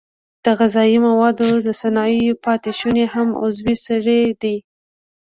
د غذایي موادو د صنایعو پاتې شونې هم عضوي سرې دي.